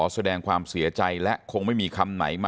ท่านผู้ชมครับ